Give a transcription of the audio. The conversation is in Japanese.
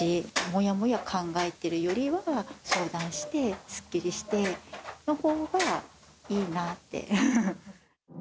もやもや考えてるよりは、相談してすっきりしてのほうが相談したほうがいいなって。